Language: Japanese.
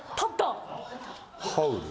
『ハウル』？